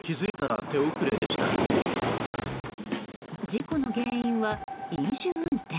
事故の原因は飲酒運転。